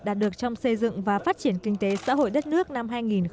đạt được trong xây dựng và phát triển kinh tế xã hội đất nước năm hai nghìn một mươi chín